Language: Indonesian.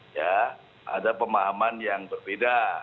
ya ada pemahaman yang berbeda